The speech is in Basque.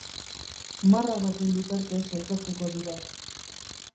Marra baten bitartez elkartuko dira.